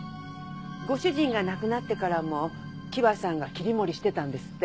ご主人が亡くなってからも希和さんが切り盛りしてたんですって。